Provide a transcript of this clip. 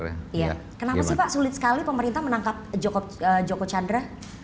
kenapa sih pak sulit sekali pemerintah menangkap joko chandra